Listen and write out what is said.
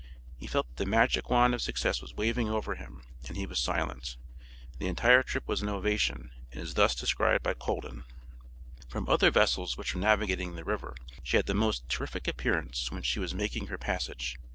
He felt that the magic wand of success was waving over him and he was silent. The entire trip was an ovation, and is thus described by Colden: "From other vessels which were navigating the river she had the most terrific appearance when she was making her passage.